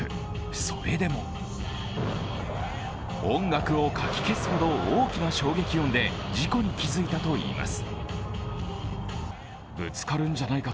それでも音楽をかき消すほど大きな衝撃音で事故に気づいたといいます。